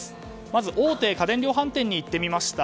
まず大手家電量販店に行ってみました。